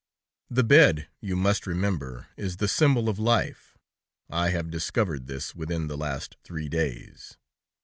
"The bed, you must remember, is the symbol of life; I have discovered this within the last three days.